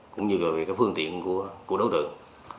cũng như về cái phương tiện của đối tượng